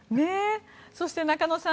そして中野さん